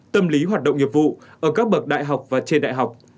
tâm lý hoạt động nghiệp vụ ở các bậc đại học và trên đại học